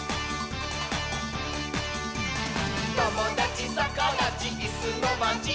「ともだちさかだちいすのまち」